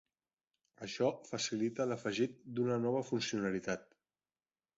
Això facilita l'afegit d'una nova funcionalitat.